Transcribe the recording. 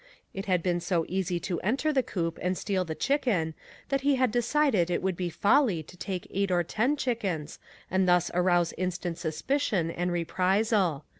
It had been so easy to enter the coop and steal the chicken that he had decided it would be folly to take eight or ten chickens and thus arouse instant suspicion and reprisal.